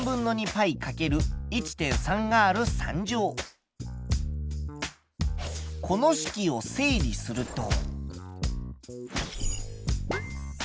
体積はこの式を整理すると。